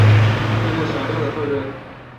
这是小调的特征。